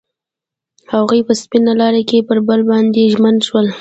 هغوی په سپین لاره کې پر بل باندې ژمن شول.